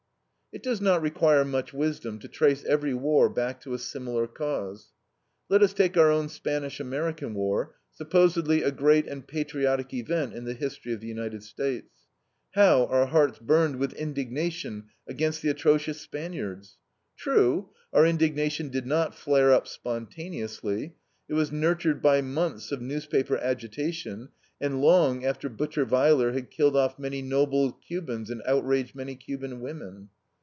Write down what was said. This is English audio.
It does not require much wisdom to trace every war back to a similar cause. Let us take our own Spanish American war, supposedly a great and patriotic event in the history of the United States. How our hearts burned with indignation against the atrocious Spaniards! True, our indignation did not flare up spontaneously. It was nurtured by months of newspaper agitation, and long after Butcher Weyler had killed off many noble Cubans and outraged many Cuban women.